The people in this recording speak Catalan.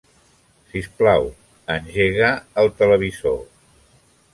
Sisplau, engega el televisor.